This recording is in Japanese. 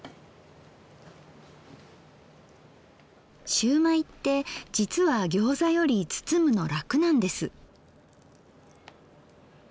しゅうまいってじつはギョーザより包むの楽なんです。